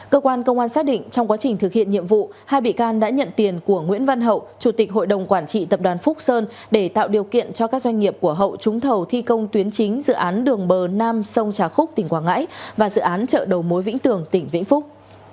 cơ quan công an xác định trong quá trình thực hiện nhiệm vụ hai bị can đã nhận tiền của nguyễn văn hậu chủ tịch hội đồng quản trị tập đoàn phúc sơn để tạo điều kiện cho các doanh nghiệp của hậu trúng thầu thi công tuyến chính dự án đường bờ nam sông trà khúc tỉnh quảng ngãi và dự án chợ đầu mối vĩnh tường tỉnh vĩnh phúc